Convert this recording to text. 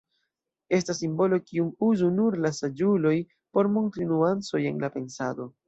Estas simbolo, kiun uzu nur la saĝuloj por montri nuancoj en la pensado.